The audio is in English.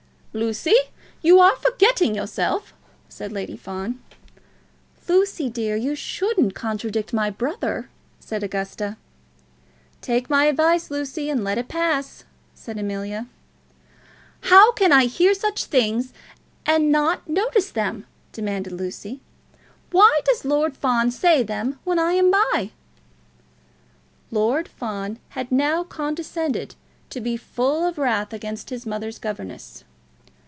"Lucy, you are forgetting yourself," said Lady Fawn. "Lucy, dear, you shouldn't contradict my brother," said Augusta. "Take my advice, Lucy, and let it pass by," said Amelia. "How can I hear such things said and not notice them?" demanded Lucy. "Why does Lord Fawn say them when I am by?" Lord Fawn had now condescended to be full of wrath against his mother's governess.